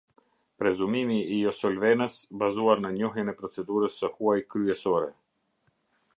Prezumimi i josolvenës bazuar në njohjen e procedurës së huaj kryesore.